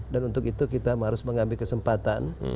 dan untuk itu kita harus mengambil kesempatan